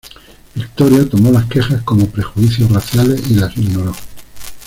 Victoria tomó las quejas como prejuicios raciales y las ignoró.